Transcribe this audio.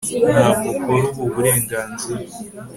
Ntabwo ukora ubu burenganzira